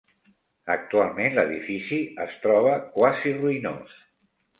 Actualment l'edifici es troba quasi ruïnós.